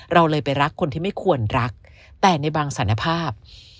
เราเลยไปรักคนที่ไม่ควรรักแต่ในบางสารภาพ